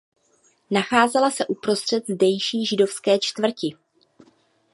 Nacházela se uprostřed zdejší židovské čtvrti.